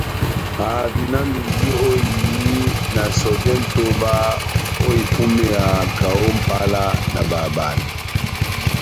Ahavinamandi ó ehiyi na sɔjɛ nʼtoba ó ipúmeya kaho ó Mʼpala na bahabanɛ.